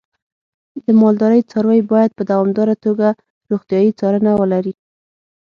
د مالدارۍ څاروی باید په دوامداره توګه روغتیايي څارنه ولري.